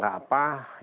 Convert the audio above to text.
yang akan diperlukan